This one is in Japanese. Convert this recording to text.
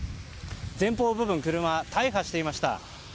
前方部分、車大破していました。